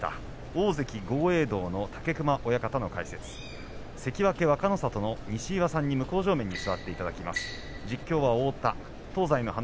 大関豪栄道の武隈親方の解説関脇若の里の西岩さんに向正面に座っていただきます。